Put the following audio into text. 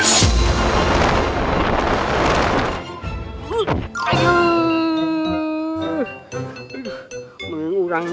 semuanya curang sudah nek